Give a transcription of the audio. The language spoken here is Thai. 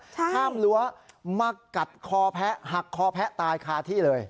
ข้ามรั้วมากัดคอแพะหักคอแพะตายคาที่เลย